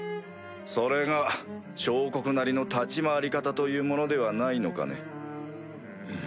それが小国なりの立ち回り方というものではないのかね？